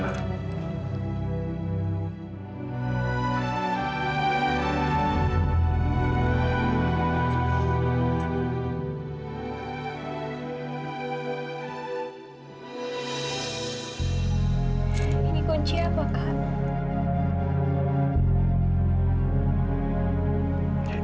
ini kunci apa kak